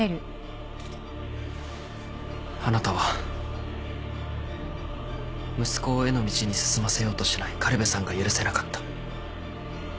あなたは息子を絵の道に進ませようとしない苅部さんが許せなかった。